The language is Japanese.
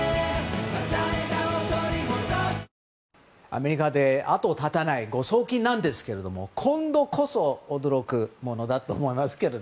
アメリカで後を絶たない誤送金なんですが今度こそ驚くものだと思います。